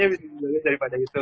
ya maksudnya daripada itu